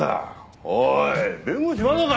おい弁護士まだか？